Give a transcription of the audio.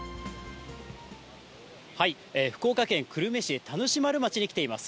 福岡県久留米市田主丸町に来ています。